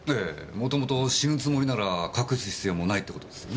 もともと死ぬつもりなら隠す必要もないって事ですよね。